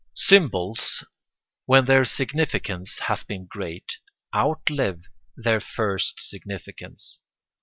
] Symbols, when their significance has been great, outlive their first significance.